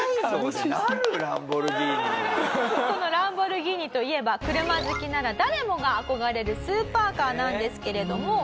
そのランボルギーニといえば車好きなら誰もが憧れるスーパーカーなんですけれども。